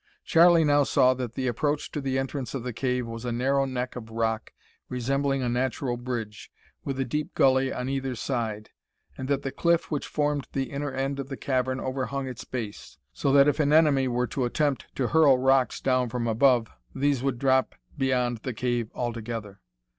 Charlie now saw that the approach to the entrance of the cave was a narrow neck of rock resembling a natural bridge, with a deep gully on either side, and that the cliff which formed the inner end of the cavern overhung its base, so that if an enemy were to attempt to hurl rocks down from above these would drop beyond the cave altogether.